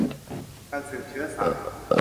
การสืบเชื้อสาย